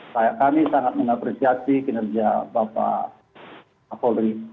saya kami sangat mengapresiasi kinerja bapak jokowi